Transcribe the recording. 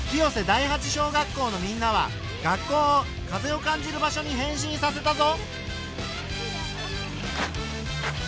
第八小学校のみんなは学校を風を感じる場所に変身させたぞ。